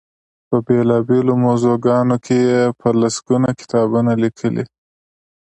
په بېلا بېلو موضوعګانو کې یې په لس ګونو کتابونه لیکلي دي.